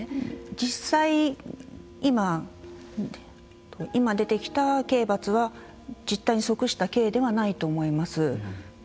実際、今出てきた刑罰は実態に即した刑ではないと思います。